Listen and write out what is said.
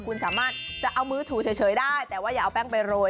คุณสามารถจะเอามือถูเฉยได้แต่ว่าอย่าเอาแป้งไปโรย